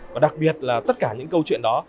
và đặc biệt là tất cả những câu chuyện đó